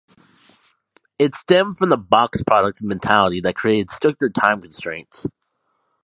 It stemmed from the box product mentality that created stricter time constraints.